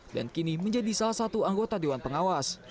dan kini menjadi salah satu anggota dewan pengawas